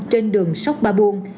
trên đường sóc ba buông